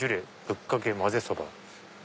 ぶっかけまぜそば」。